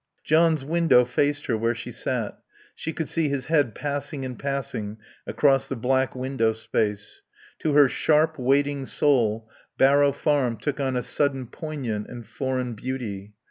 John's window faced her where she sat; she could see his head passing and passing across the black window space. To her sharp, waiting soul Barrow Farm took on a sudden poignant and foreign beauty.